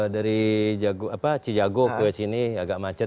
dari cijago ke sini agak macet